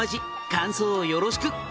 感想よろしく！」